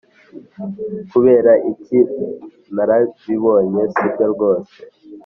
'kubera iki, narabibonye, sibyo rwose